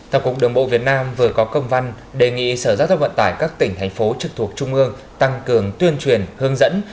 tổng cục đường bộ việt nam vừa có công văn đề nghị sở giao thông vận tải các tỉnh thành phố trực thuộc trung ương tăng cường tuyên truyền hướng dẫn